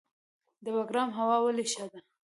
د بګرام هوا ولې ښه ده؟